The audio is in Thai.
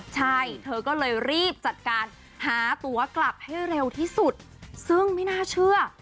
ใช่เธอก็เลยรีบจัดการหาตัวกลับให้เร็วที่สุดซึ่งไม่น่าเชื่อ